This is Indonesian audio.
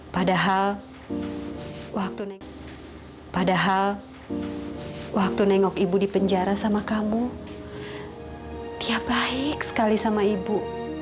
padahal waktu padahal waktu nengok ibu di penjara sama kamu dia baik sekali sama ibu